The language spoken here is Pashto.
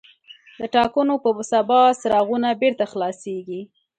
د ټاکنو په سبا څراغونه بېرته خلاصېږي.